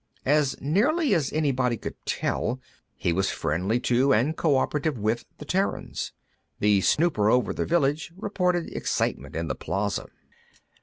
As nearly as anybody could tell, he was friendly to and co operative with the Terrans. The snooper over the village reported excitement in the plaza.